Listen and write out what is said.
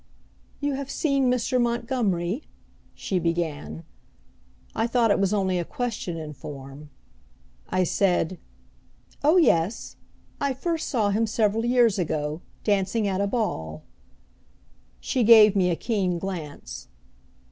"You have seen Mr. Montgomery?" she began. I thought it was only a question in form. I said, "Oh, yes, I first saw him several years ago, dancing at a ball." She gave me a keen glance.